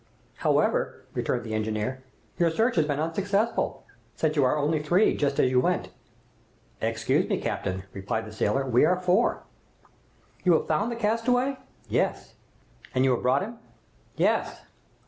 "However," returned the engineer, "your search has been unsuccessful, since you are only three, just as you went!" "Excuse me, captain," replied the sailor, "we are four." "You have found the castaway?" "Yes." "And you have brought him?" "Yes."